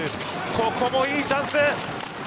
今のもいいチャンス！